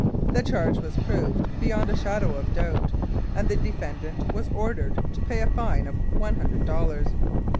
The charge was proved beyond a shadow of doubt, and the defendant was ordered to pay a fine of one hundred dollars.